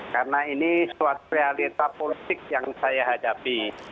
karena ini suatu realita politik yang saya hadapi